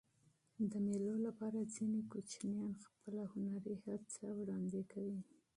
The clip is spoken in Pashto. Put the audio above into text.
د مېلو له پاره ځيني کوچنيان خپله هنري هڅه وړاندي کوي.